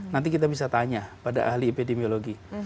nanti kita bisa tanya pada ahli epidemiologi